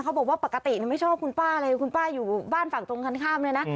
บอกว่าปกติไม่ชอบคุณป้าเลยคุณป้าอยู่บ้านฝั่งตรงกันข้ามเลยนะ